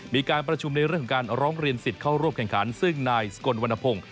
มีการประชุมในเรื่องของการร้องเรียนสิทธิ์เข้าร่วมแข่งขันซึ่งนายสกลวรรณพงศ์